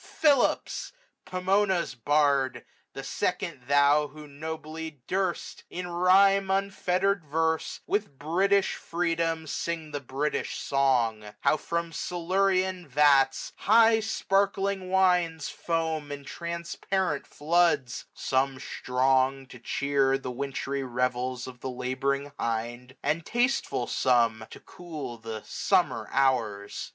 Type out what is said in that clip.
Philips, Pomona's bard! the second thou Who nobly durst, in rhyme unfetter'd verse, 645 With British freedom sing the British song : How, from Silurian vats, high sparkling wines Foam in transparent floods ; some strong, to cheer The wintry revels of the labouring hind j And tasteful some, to cool the summer hours.